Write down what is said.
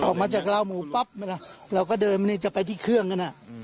ออกมาจากราวหมูปั๊บเราก็เดินจะไปที่เครื่องกัน